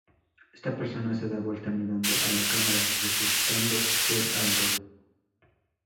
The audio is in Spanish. Esta persona se da vuelta mirando a la cámara, resultando ser Aldo.